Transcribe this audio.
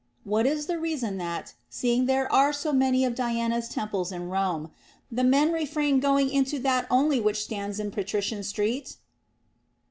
What is the reason that, seeing there are so many of Diana's temples in Rome, the men refrain going into that only which stands in Patrician Street?